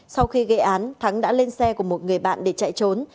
sau khi gây án thắng đã lên xe của một người bạn để chạy trốn